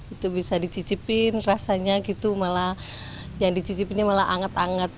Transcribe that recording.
itu bisa dicicipin rasanya gitu malah yang dicicipinnya malah anget anget